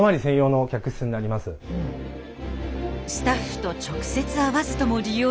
スタッフと直接会わずとも利用できる